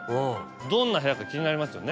どんな部屋か気になりますよね。